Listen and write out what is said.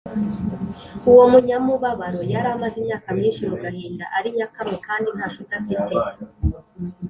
Uwo munyamubabaro yari amaze imyaka myinshi mu gahinda ari nyakamwe kandi nta nshuti afite